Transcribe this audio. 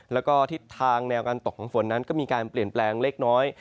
แล้วก็ทิศทางแนวการตกของฝนนั้นก็มีการเปลี่ยนแปลงเล็กน้อย